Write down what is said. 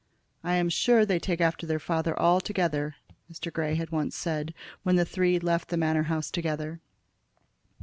"I am sure they take after their father altogether," Mr. Grey had once said when the three left the Manor house together.